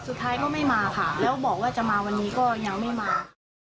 สุดท้ายก็ไม่มาค่ะแล้วบอกว่าจะมาวันนี้ก็ยังไม่มา